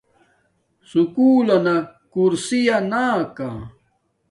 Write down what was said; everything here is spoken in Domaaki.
سکُول لنا کورسیا نا کا